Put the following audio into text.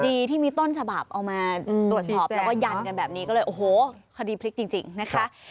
ดีที่มีต้นฉบับเอามาตรวจสอบแล้วก็ยันกันแบบนี้ก็เลยโอ้โหคดีพลิกจริงนะคะ